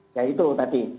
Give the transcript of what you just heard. ya itu tadi